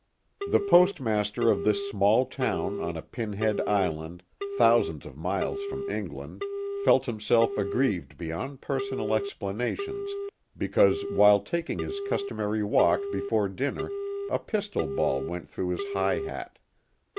The Postmaster of this small town on a pin 144 THE HAT OF THE POSTMASTER. 145 head island thousands of miles from England felt himself aggrieved beyond personal explana tions because while taking his customary walk before dinner a pistol ball went through his high hat.